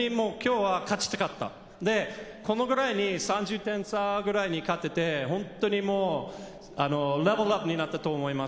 今日は勝ちたかった、このくらいに３０点差くらいで勝てて、本当にレベルアップになったと思います。